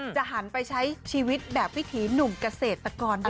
หันไปใช้ชีวิตแบบวิถีหนุ่มเกษตรกรด้วย